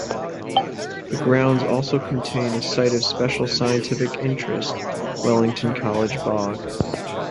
The grounds also contain a Site of Special Scientific Interest, Wellington College Bog.